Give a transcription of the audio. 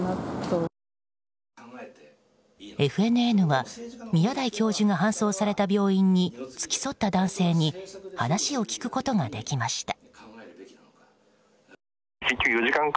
ＦＮＮは宮台教授が搬送された病院に付き添った男性に話を聞くことができました。